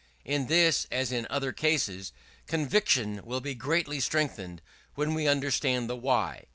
In this, as in other cases, conviction will be greatly strengthened when we understand the why.